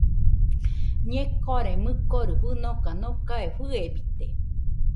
Ñekore mɨkori fɨnoka nokae fɨebite